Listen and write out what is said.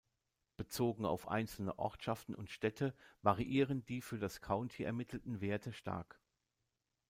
Bezogen auf einzelne Ortschaften und Städte variieren die für das County ermittelten Werte stark.